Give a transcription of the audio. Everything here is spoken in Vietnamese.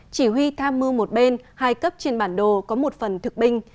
chỉ huy tham mưu một bên hai cấp trên bản đồ có một phần thực binh